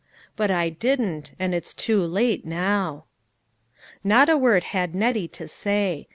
But I didn't, and it's too late now." Not a word had Nettie to say.